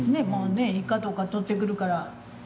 イカとか取ってくるからね。